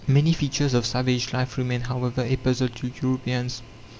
"(33) Many features of savage life remain, however, a puzzle to Europeans.